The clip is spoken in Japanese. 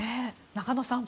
中野さん